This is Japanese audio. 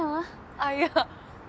あっいや。